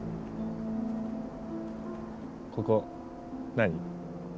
ここ何？